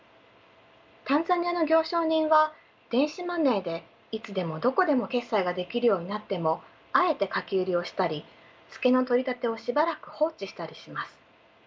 タンザニアの行商人は電子マネーでいつでもどこでも決済ができるようになってもあえて掛け売りをしたりツケの取り立てをしばらく放置したりします。